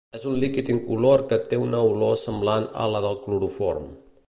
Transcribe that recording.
És un líquid incolor que té una olor semblant a la del cloroform.